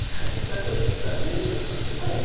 確か準優勝したんですよね